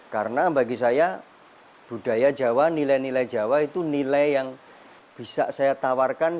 karena bagi saya budaya jawa nilai nilai jawa itu nilai yang bisa saya tawarkan